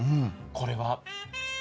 これは。